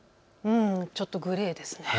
ちょっとグレーですね。